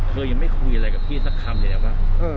ยังไม่คุยอะไรกับพี่สักคำเลยนะว่า